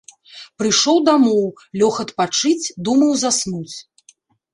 Прыйшоў дамоў, лёг адпачыць, думаў заснуць.